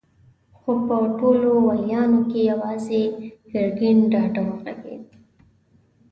خو په ټولو واليانو کې يواځې ګرګين ډاډه وغږېد.